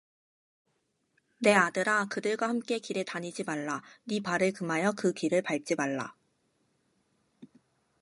내 아들아 그들과 함께 길에 다니지 말라 네 발을 금하여 그 길을 밟지 말라